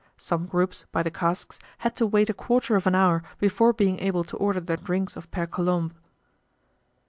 Some groups, by the casks, had to wait a quarter of an hour before being able to order their drinks of Pere Colombe.